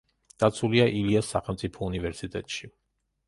დაცულია ილიას სახელმწიფო უნივერსიტეტში.